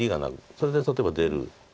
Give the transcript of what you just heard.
それで例えば出る。